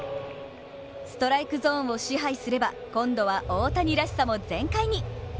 ストライクゾーンを支配すれば今度は大谷らしさも全開に。